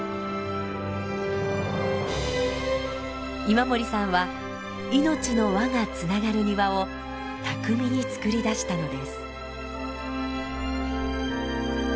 今森さんは命の輪がつながる庭を巧みにつくり出したのです。